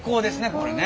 これね。